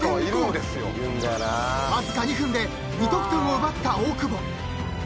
［わずか２分で２得点を奪った大久保］